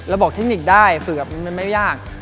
ระบบเทคนิคได้ฝึกอะมันไม่ยาก